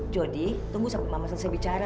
jody tunggu sampai mama selesai bicara